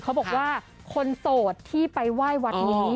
เขาบอกว่าคนโสดที่ไปไหว้วัดนี้